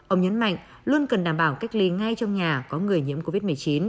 ông nhấn mạnh luôn cần đảm bảo cách ly ngay trong nhà có người nhiễm covid một mươi chín